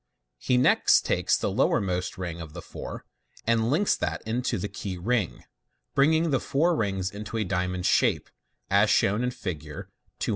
He next takes the lowermost ring of the four, and links that into the key ring, bringing the four rings into a diamond shape, as shown in Fig 240.